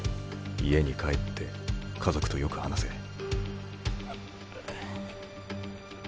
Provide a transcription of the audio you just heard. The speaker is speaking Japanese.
家に帰って家族とよく話せ。